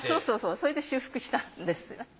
そうそうそれで修復したんです。